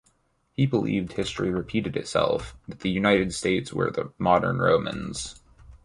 He believed history repeated itself, that the United States were the "modern Romans".